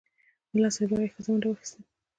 ملا صیب راغی، ښځې منډه واخیسته.